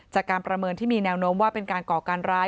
การประเมินที่มีแนวโน้มว่าเป็นการก่อการร้าย